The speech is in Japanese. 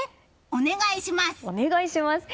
お願いします！